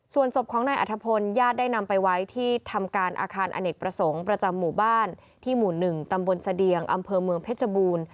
ส่วนศพของนายอัธพลญาติได้นำไปไว้ที่ทำการอาคารอเนกประสงค์ประจำหมู่บ้านที่หมู่๑ตำบลเสดียงอำเภอเมืองเพชรบูรณ์